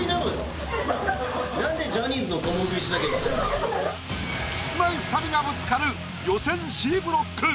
いやキスマイ２人がぶつかる予選Ｃブロック。